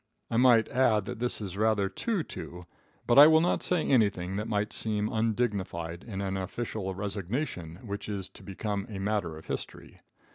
I might add that this is rather too too, but I will not say anything that might seem undignified in an official resignation which is to become a matter of history.